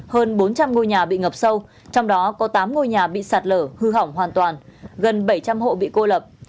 hơn bốn trăm linh ngôi nhà bị ngập sâu trong đó có tám ngôi nhà bị sạt lở hư hỏng hoàn toàn gần bảy trăm linh hộ bị cô lập